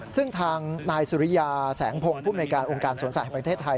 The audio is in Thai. ซึ่งทางนายสุริยาแสงพงศ์ภูมิในการองค์การสวนสัตว์ประเทศไทย